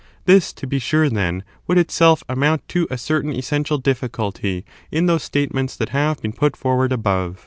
This, to be sure, then, would itself amount to a certain essential difficulty in those statements that have been put forward above.